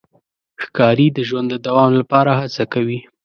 ښکاري د ژوند د دوام لپاره هڅه کوي.